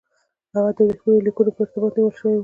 هغه د ورېښمینو لیکونو په ارتباط نیول شوی وو.